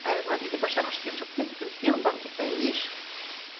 А эрла тиде пашам ыштен шуктет гын, пел банке тыйын лиеш.